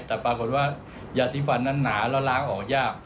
แต่ปรากฏว่ายาสีฟันนั้นหนาแล้วล้างออกยาก